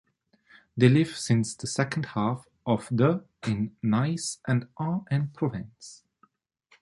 They live since the second half of the in Nice and Aix-en-Provence.